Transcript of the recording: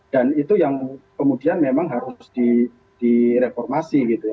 dan itu yang kemudian memang harus direformasi gitu ya